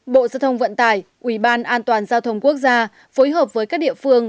bốn bộ gia thông vận tải uban an toàn giao thông quốc gia phối hợp với các địa phương